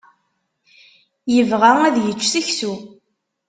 Yebɣa ad yečč seksu.